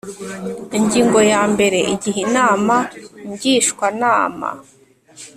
Ingingo ya mbere Igihe Inama Ngishwanama